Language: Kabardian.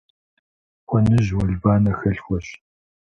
Кхъуэныжь уэлбанэ хэлъхуэщ.